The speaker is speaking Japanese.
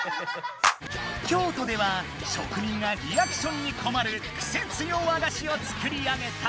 京都ではしょくにんがリアクションにこまるクセつよ和菓子を作り上げた！